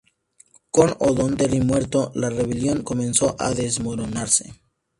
Con O'Doherty muerto, la rebelión comenzó a desmoronarse.